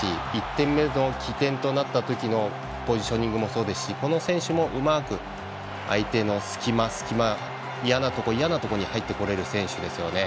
１点目の起点となった時のポジショニングもそうですしこの選手もうまく相手の隙間、隙間嫌なところ、嫌なところに入ってこれる選手ですよね。